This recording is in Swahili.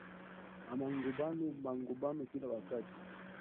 a magombano magombano kila wakati